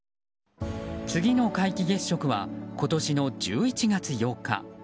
次の皆既月食は今年の１１月８日。